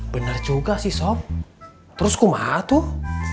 bener juga sih sob terus kumah tuh